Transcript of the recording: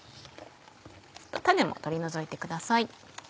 種も取り除いてください。